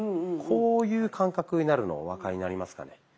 こういう感覚になるのお分かりになりますかね。